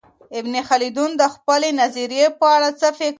ابن خلدون د خپلې نظریې په اړه څه فکر لري؟